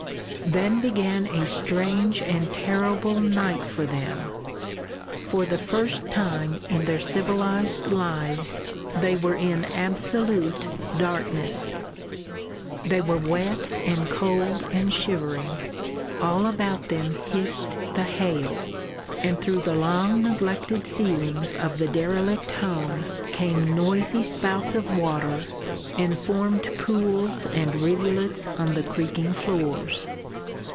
Then began a strange and terrible night for them. For the first time in their civilised lives they were in absolute darkness; they were wet and cold and shivering, all about them hissed the hail, and through the long neglected ceilings of the derelict home came noisy spouts of water and formed pools and rivulets on the creaking floors.